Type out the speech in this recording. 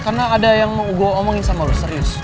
karena ada yang mau gue omongin sama lo serius